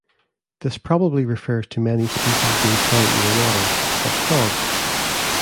This probably refers to many species being found near water, like frogs.